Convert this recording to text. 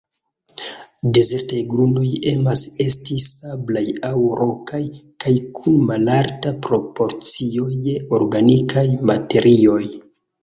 Dezertaj grundoj emas esti sablaj aŭ rokaj, kaj kun malalta proporcio je organikaj materioj.